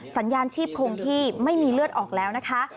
สัญญาณชีพคงที่ไม่มีเลือดออกแล้วนะคะ